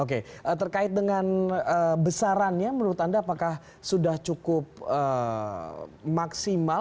oke terkait dengan besarannya menurut anda apakah sudah cukup maksimal